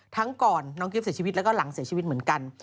ก่อนน้องกิฟต์เสียชีวิตแล้วก็หลังเสียชีวิตเหมือนกัน